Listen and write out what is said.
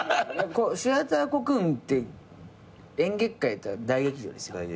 シアターコクーンって演劇界でいったら大劇場ですよ。